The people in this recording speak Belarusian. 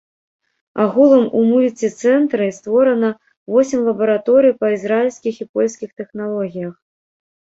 Агулам у мульціцэнтры створана восем лабараторый па ізраільскіх і польскіх тэхналогіях.